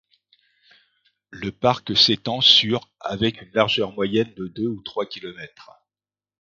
Le parc s'étend sur avec une largeur moyenne de deux ou trois kilomètres.